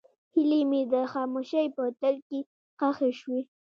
هیلې مې د خاموشۍ په تل کې ښخې شوې.